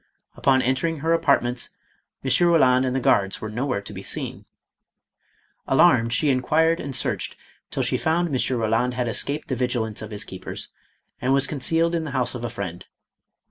Upon entering her apart ments, M. Roland and the guards were nowhere to be Alarmed, she inquired and searched, till she seen. found M. Roland had escaped the vigilance of his keepers, and was concealed in the house of a friend.